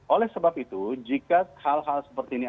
oleh sebab itu jika hal hal seperti ini